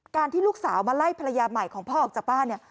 ที่ลูกสาวมาไล่ภรรยาใหม่ของพ่อออกจากบ้านเนี่ย